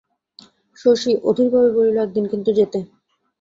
শশী অধীরভাবে বলিল, একদিন কিন্তু যেতে।